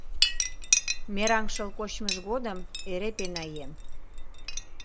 Мераҥ шыл кочмыж годым эре пенаем: